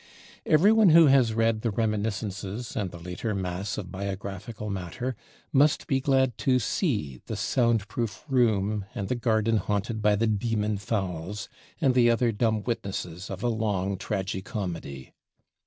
Every one who has read the "Reminiscences" and the later mass of biographical matter must be glad to see the "sound proof" room, and the garden haunted by the "demon fowls" and the other dumb witnesses of a long tragi comedy.